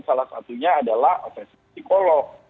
salah satunya adalah operasi psikolog